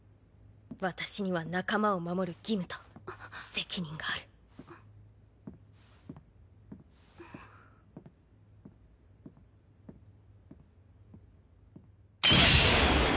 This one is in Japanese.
私には仲間を守る義務とあっ責任があるんっガキン！